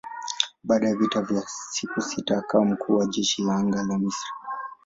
Baada ya vita ya siku sita akawa mkuu wa jeshi la anga la Misri.